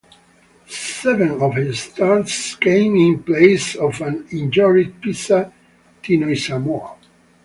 Seven of his starts came in place of an injured Pisa Tinoisamoa.